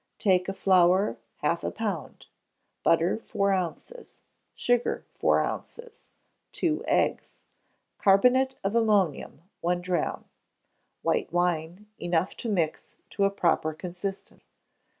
Take of flour half a pound; butter, four ounces; sugar, four ounces; two eggs; carbonate of ammonia, one drachm; white wine, enough to mix to a proper consistence.